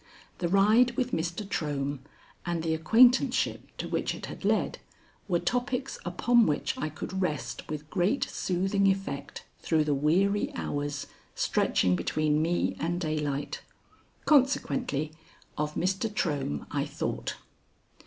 The ride with Mr. Trohm, and the acquaintanceship to which it had led, were topics upon which I could rest with great soothing effect through the weary hours stretching between me and daylight. Consequently of Mr. Trohm I thought.